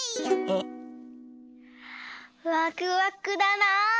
・ワクワクだな。